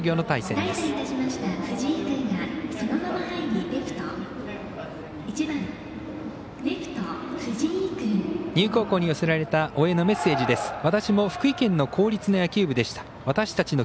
丹生高校に寄せられた応援のメッセージです。